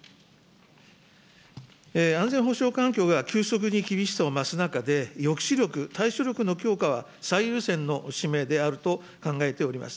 安全保障環境が急速に厳しさを増す中で、抑止力、対処力の強化は、最優先の使命であると考えております。